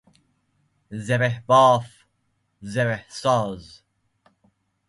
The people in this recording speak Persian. زره باف ـ زره ساز